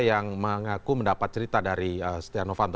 yang mengaku mendapat cerita dari stiano fanto